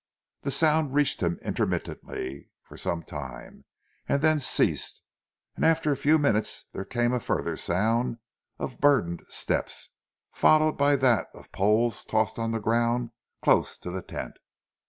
The sound reached him intermittently for some time, and then ceased; and after a few minutes there came a further sound of burdened steps, followed by that of poles tossed on the ground close to the tent.